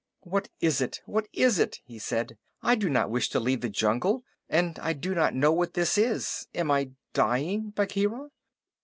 "What is it? What is it?" he said. "I do not wish to leave the jungle, and I do not know what this is. Am I dying, Bagheera?"